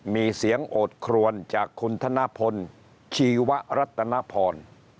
มีเสียงโอดครวนจากคุณธนพลชีวรัตนพร